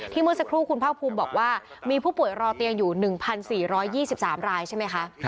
เมื่อสักครู่คุณภาคภูมิบอกว่ามีผู้ป่วยรอเตียงอยู่๑๔๒๓รายใช่ไหมคะ